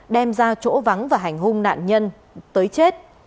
đem ra chỗ vắng và hành hung nạn nhân tới chết